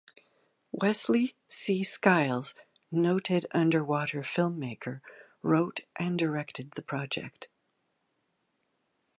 Wesley C. Skiles, noted underwater filmmaker, wrote and directed the project.